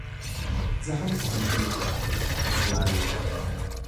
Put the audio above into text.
زه هم پو هنتون ته پر لار يم.